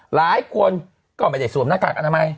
หลายคนก็ไปสวมหน้ากากกันทำไม